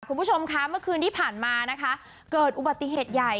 คุณผู้ชมคะเมื่อคืนที่ผ่านมานะคะเกิดอุบัติเหตุใหญ่